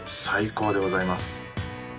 最高でございます。